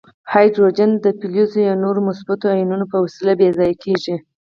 هایدروجن د فلز یا نورو مثبتو آیونونو په وسیله بې ځایه کیږي.